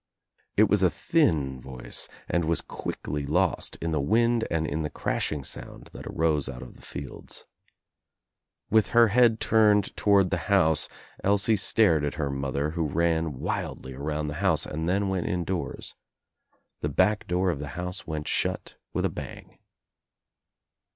It was a thin voice and was quickly lost In the wind and in the crashing sound that arose out of the fields. With her head turned toward the house Elsie stared at her mother who ran wildly around the house and then went indoors. The back door of the house went shut with a bang.